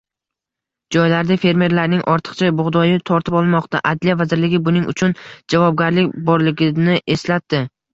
Joylarda fermerlarning ortiqcha bug‘doyi tortib olinmoqda. Adliya vazirligi buning uchun javobgarlik borligini eslatdi